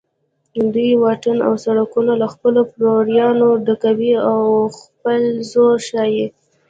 دوی واټونه او سړکونه له خپلو پلویانو ډکوي او خپل زور ښیي